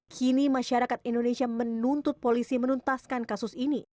kini masyarakat indonesia menuntut polisi menuntaskan kasus ini